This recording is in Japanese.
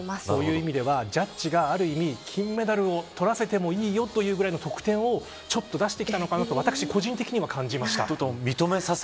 そういう意味でジャッジがある意味金メダルを取らせてもいいというぐらいの得点を出してきたのかなと私も個人的に感じました。